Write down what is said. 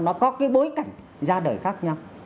nó có cái bối cảnh ra đời khác nhau